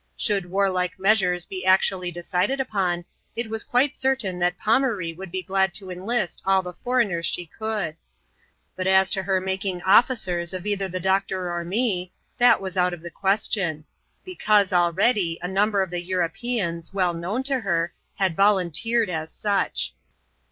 Should warlike measures be actually de cided upon, it was quite certain that Pomaree would be glad to enlist all the foreigners she could ; but as to her making officers of either the doctor or me, that was out of the question ; be cause, already, a number of Europeans, well known to her, had volunteered as such.